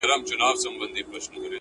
ځو به چي د شمعي پر لار تلل زده کړو -